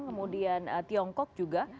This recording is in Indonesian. kemudian tiongkok juga